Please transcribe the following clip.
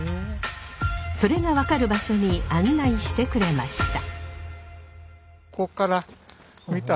それが分かる場所に案内してくれました。